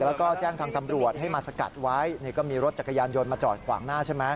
แล้วก็แจ้งทางตำรวจให้มาสกัดไว้นี่ก็มีรถจักรยานยนต์มาจอดขวางหน้าใช่ไหม